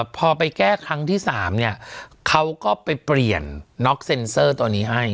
พอไปแก้ครั้งที่๓เนี่ยเขาก็ไปเปลี่ยนน็อกเซ็นเซอร์ตัวนี้ให้